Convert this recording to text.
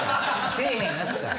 せぇへんやつかい！